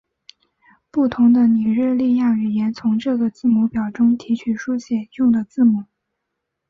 不同的尼日利亚语言从这个字母表中提取书写用的字母。